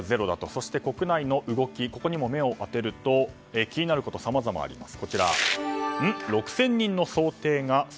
そして、国内の動きにも目を当てると気になることはさまざまあります。